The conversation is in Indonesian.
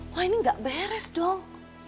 wah ini nggak beres dong